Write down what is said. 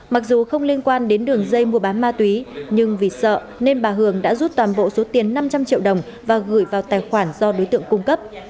mặc dù không liên quan đến đường dây mua bán ma túy nhưng vì sợ nên bà hường đã rút toàn bộ số tiền năm trăm linh triệu đồng và gửi vào tài khoản do đối tượng cung cấp